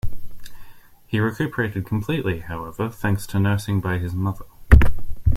He recuperated completely, however, thanks to nursing by his mother.